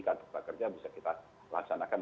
kartu prakerja bisa kita laksanakan